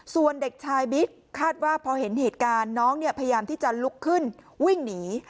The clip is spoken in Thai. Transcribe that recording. ส่วนเด็กชายบิ๊กคาดว่าพอเห็นเหตุการณ์น้องพยายามที่จะลุกขึ้นวิ่งหนี